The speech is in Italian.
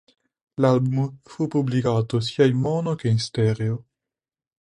L'album fu pubblicato sia in mono che in stereo.